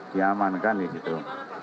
diamankan di situ